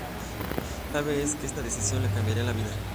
Lo que no sabe, es que esa decisión le cambiará la vida.